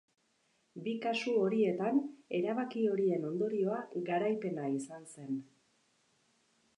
Bi kasu horietan erabaki horien ondorioa garaipena izan zen.